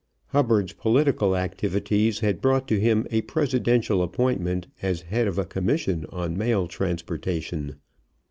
Hubbard's political activities had brought to him a Presidential appointment as head of a commission on mail transportation.